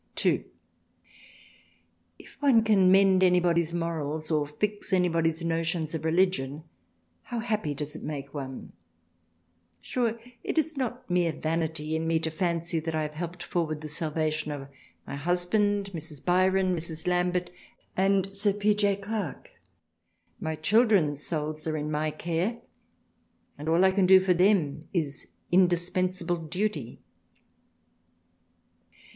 (2) If one can mend anybody's Morals or fix anybody's notions of Religion, how happy does it make one ; sure it is not mere vanity in me to fancy that I have helped forward the Salvation of my Husband, Mrs. Byron, Mrs. Lambert and Sir P. J. Gierke. My Children's souls are in my care, and all I can do for them is indispensible duty.